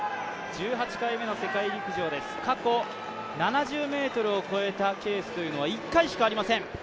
１８回目の世界陸上です過去７０ｍを超えたケースというのは１回しかありません。